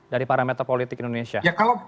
dari parameter politik indonesia